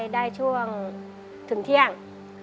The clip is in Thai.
ได้ช่วงถึงเที่ยง